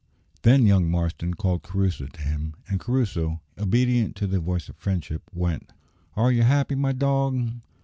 Then young Marston called Crusoe to him, and Crusoe, obedient to the voice of friendship, went. "Are you happy, my dog?"